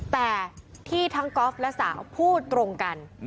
แต่ที่ทั้งก๊อฟและสาวพูดตรงกัน